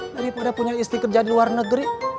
daripada punya istri kerja di luar negeri